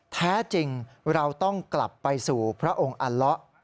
แท้จริงเราต้องกลับไปสู่พระองค์อัลละ